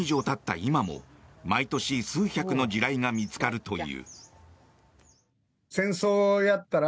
今も毎年、数百の地雷が見つかるという。